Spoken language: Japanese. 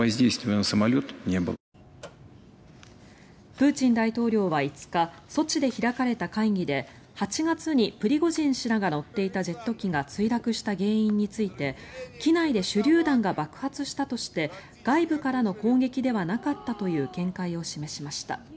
プーチン大統領は５日ソチで開かれた会議で８月にプリゴジン氏らが乗っていたジェット機が墜落した原因について機内で手りゅう弾が爆発したとして外部からの攻撃ではなかったという見解を示しました。